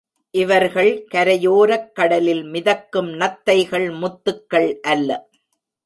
இவர்கள் கரையோரக் கடலில் மிதக்கும் நத்தைகள் முத்துக்கள் அல்ல.